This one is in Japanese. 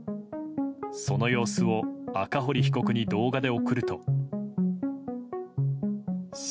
その様子を赤堀被告に動画で送ると。